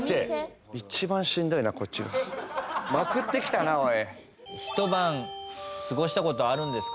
まくってきたなおい。